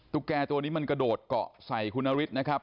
แกตัวนี้มันกระโดดเกาะใส่คุณนฤทธิ์นะครับ